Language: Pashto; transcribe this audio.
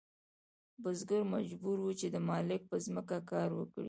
بزګر مجبور و چې د مالک په ځمکه کار وکړي.